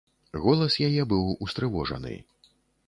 Голас яе быў устрывожаны.